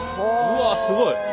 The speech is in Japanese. うわすごい。